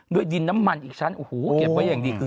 ดินน้ำมันอีกชั้นโอ้โหเก็บไว้อย่างดีขึ้น